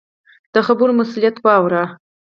د خبرو مسؤلیت واوره.